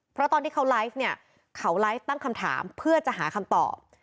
เพราะตอนที่เขาไลฟ์เนี่ยเขาไลฟ์ตั้งคำถามเพื่อจะหาคำตอบ